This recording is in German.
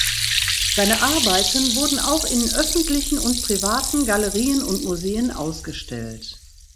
Seine Arbeiten wurden auch in öffentlichen und privaten Galerien und Museen ausgestellt.